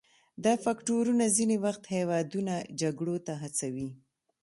دا فکتورونه ځینې وخت هیوادونه جګړو ته هڅوي